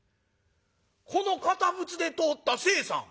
「この堅物で通った清さん。